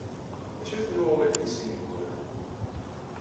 D acu-ten wawlen-is ineggura?